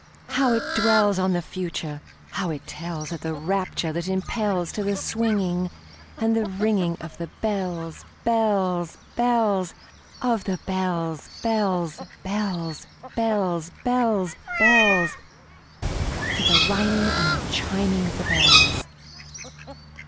How it dwellsOn the Future! how it tellsOf the rapture that impelsTo the swinging and the ringingOf the bells, bells, bells, Of the bells, bells, bells, bells, Bells, bells, bells—To the rhyming and the chiming of the bells!